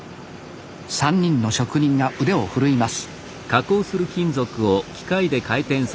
３人の職人が腕を振るいます